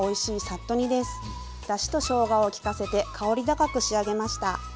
だしとしょうがを利かせて香り高く仕上げました。